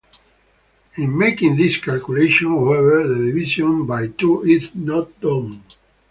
In making this calculation, however, the division by two is not done.